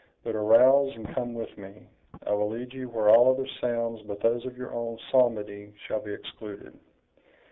But arouse, and come with me; I will lead you where all other sounds but those of your own psalmody shall be excluded."